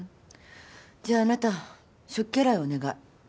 じゃああなた食器洗いをお願い。